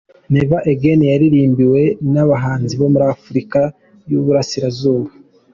Never Again yaririmbwe n’Abahanzi bo muri Afurika y’Uburasirazuba.